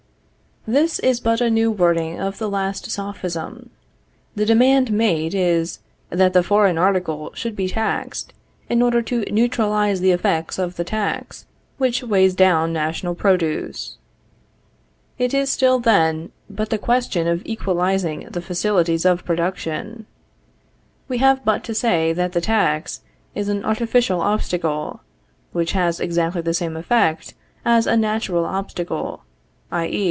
This is but a new wording of the last Sophism. The demand made is, that the foreign article should be taxed, in order to neutralize the effects of the tax, which weighs down national produce. It is still then but the question of equalizing the facilities of production. We have but to say that the tax is an artificial obstacle, which has exactly the same effect as a natural obstacle, i.e.